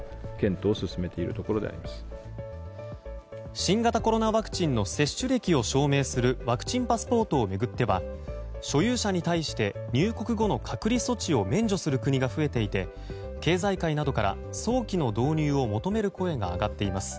新型コロナワクチンの接種歴を証明するワクチンパスポートを巡っては所有者に対して入国後の隔離措置を免除する国が増えていて経済界などから早期の導入を求める声が上がっています。